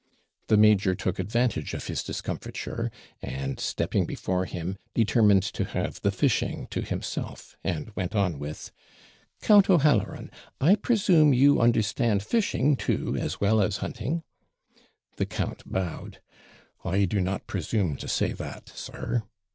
The major took advantage of his discomfiture, and, stepping before him, determined to have the fishing to himself, and went on with 'Count O'Halloran, I presume you understand fishing too, as well as hunting?' The count bowed: 'I do not presume to say that, sir.'